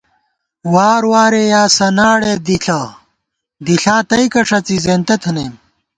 وار وارے یا سناڑے دِݪہ دِݪا تئیکہ ݭڅی زېنتہ تھنَئیم